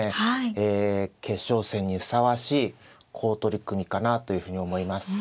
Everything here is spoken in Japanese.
ええ決勝戦にふさわしい好取組かなというふうに思います。